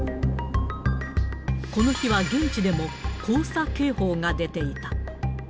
この日は現地でも、黄砂警報が出ていた。